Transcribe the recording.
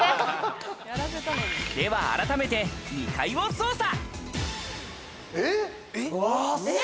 では、改めて２階を捜査。